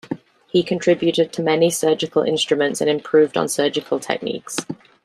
He contributed many surgical instruments and improved on surgical techniques.